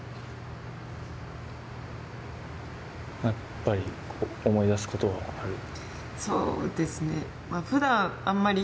やっぱりこう思い出すことはある？